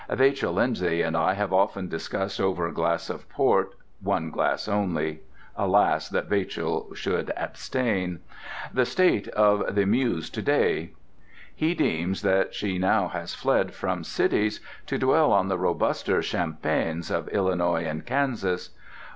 Vachel Lindsay and I have often discussed over a glass of port (one glass only: alas, that Vachel should abstain!) the state of the Muse to day. He deems that she now has fled from cities to dwell on the robuster champaigns of Illinois and Kansas.